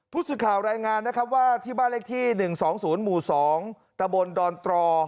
ผู้สื่อข่าวรายงานนะครับว่าที่บ้านเลขที่๑๒๐หมู่๒ตะบนดอนตรอ